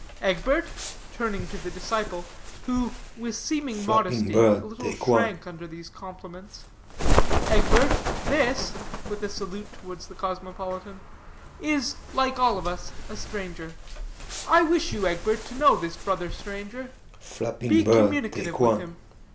Egbert," turning to the disciple, who, with seeming modesty, a little shrank under these compliments, "Egbert, this," with a salute towards the cosmopolitan, "is, like all of us, a stranger. I wish you, Egbert, to know this brother stranger; be communicative with him.